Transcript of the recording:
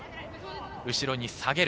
後ろに下げる。